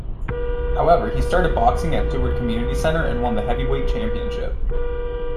However, he started boxing at Seward Community Center and won the heavyweight championship.